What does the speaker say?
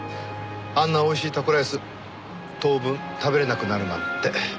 あんなおいしいタコライス当分食べられなくなるなんて。